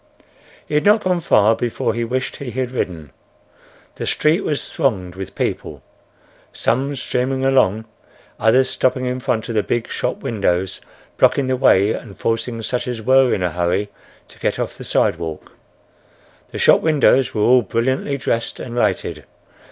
He had not gone far before he wished he had ridden. The street was thronged with people: some streaming along; others stopping in front of the big shop windows, blocking the way and forcing such as were in a hurry to get off the sidewalk. The shop windows were all brilliantly dressed and lighted.